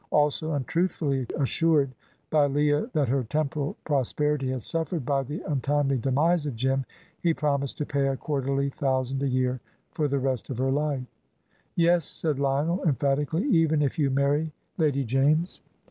Also, untruthfully assured by Leah that her temporal prosperity had suffered by the untimely demise of Jim, he promised to pay a quarterly thousand a year for the rest of her life. "Yes," said Lionel, emphatically, "even if you marry, Lady James."